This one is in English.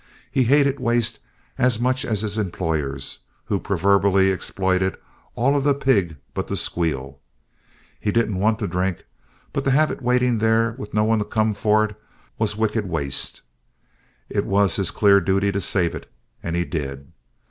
He hated waste as much as his employers, who proverbially exploited all of the pig but the squeal. He didn't want the drink, but to have it waiting there with no one to come for it was wicked waste. It was his clear duty to save it, and he did.